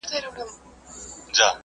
د خوګیاڼو خلک به دا ویاړ ساتي.